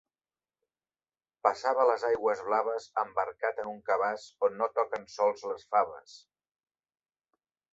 Passava les aigües blaves embarcat en un cabàs on no toquen sols les faves.